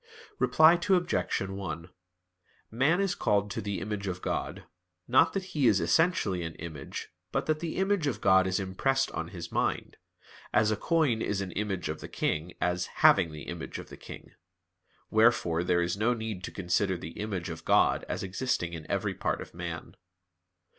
Reply Obj. 1: Man is called to the image of God; not that he is essentially an image; but that the image of God is impressed on his mind; as a coin is an image of the king, as having the image of the king. Wherefore there is no need to consider the image of God as existing in every part of man.